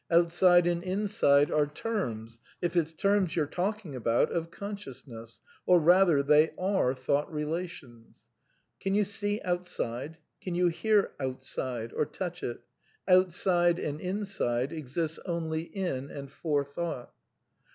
Outside and inside are terms — if it's tenns you're talking about — of consciousness, or rather, they are thought relations. Can you see "outside"? Can you hear " outside " or touch it ? Outside (and inside) ex ists only in and for thought.